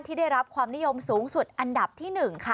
ได้รับความนิยมสูงสุดอันดับที่๑ค่ะ